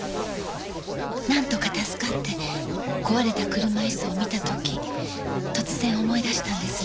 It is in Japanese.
なんとか助かって壊れた車椅子を見た時突然思い出したんです。